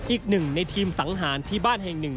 อีกหนึ่งในทีมสังหารที่บ้านแห่งหนึ่ง